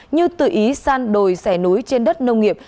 như tự ý san đồi xẻ núi trên đất nông nghiệp